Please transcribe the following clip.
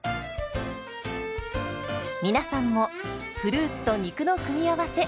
皆さんもフルーツと肉の組み合わせ